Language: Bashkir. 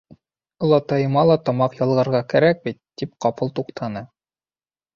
Олатайыма ла тамаҡ ялғарға кәрәк бит, тип ҡапыл туҡтаны.